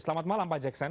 selamat malam pak jackson